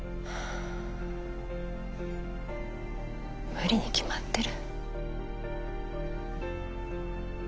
無理に決まってる。